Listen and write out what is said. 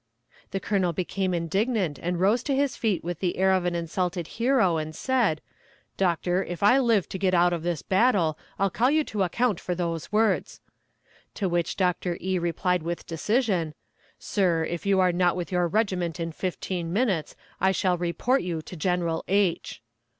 The Colonel became indignant, and rose to his feet with the air of an insulted hero and said: "Doctor, if I live to get out of this battle I'll call you to account for those words;" to which Doctor E. replied with decision, "Sir, if you are not with your regiment in fifteen minutes I shall report you to General H."